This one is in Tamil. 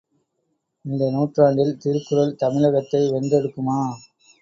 இந்த நூற்றாண்டில் திருக்குறள் தமிழகத்தை வென்றெடுக்குமா?